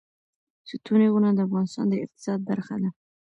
ستوني غرونه د افغانستان د اقتصاد برخه ده.